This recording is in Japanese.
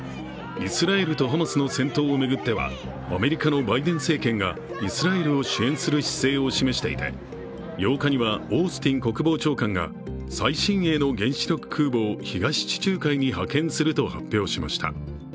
イスラエルとハマスの戦闘を巡ってはアメリカのバイデン政権がイスラエルを支援しる姿勢を示していて８日にはオースティン国防長官が最新鋭の原子力空母を東地中海に派遣すると発表しました。